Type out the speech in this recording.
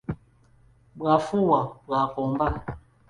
Bw'afuuwa bw'akomba.